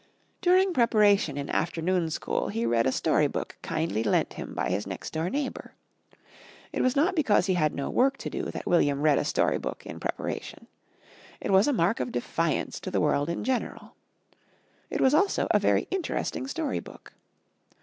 During preparation in afternoon school he read a story book kindly lent him by his next door neighbour. It was not because he had no work to do that William read a story book in preparation. It was a mark of defiance to the world in general. It was also a very interesting story book.